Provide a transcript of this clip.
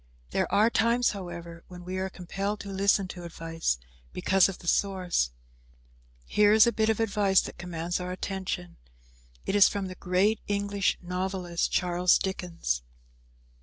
There are times, however, when we are compelled to listen to advice, because of the source. Here is a bit of advice that commands our attention. It is from the great English novelist, Charles Dickens.